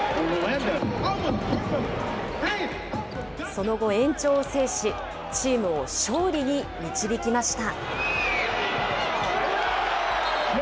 その後、延長を制し、チームを勝利に導きました。